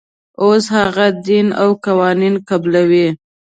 اوس هغه دین او قوانین قبلوي.